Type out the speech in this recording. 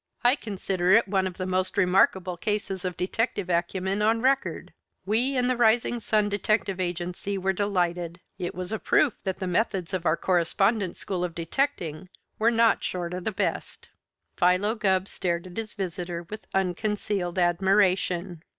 "I consider it one of the most remarkable cases of detective acumen on record. We in the Rising Sun Detective Agency were delighted. It was a proof that the methods of our Correspondence School of Detecting were not short of the best." Philo Gubb stared at his visitor with unconcealed admiration.